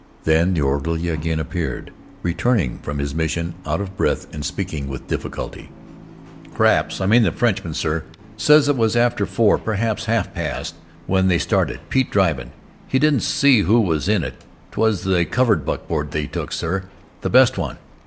Then the orderly again appeared, returning from his mission, out of breath and speaking with difficulty. "Craps I mean the Frenchman, sir, says it was after four, perhaps half past, when they started, Pete drivin'. He didn't see who was in it. 'Twas the covered buckboard he took, sir the best one."